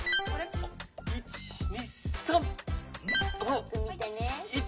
よくみてね。